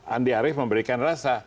andi arief memberikan rasa